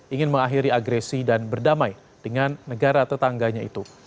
ingin mengakhiri agresi dan berdamai dengan negara tetangganya itu